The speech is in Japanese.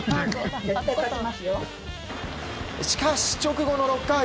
しかし、直後の６回。